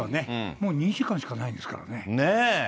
もう２時間しかないんですからね。